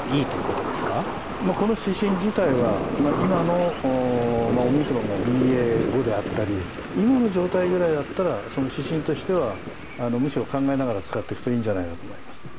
この指針自体は今のオミクロンがＢＡ．５であったり今の状態ぐらいだったら指針としてはむしろ考えながら使っていくといいんじゃないかと思います。